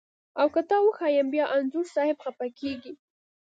او که تا وښیم بیا انځور صاحب خپه کږي.